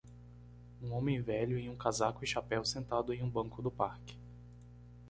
Um homem velho em um casaco e chapéu sentado em um banco do parque.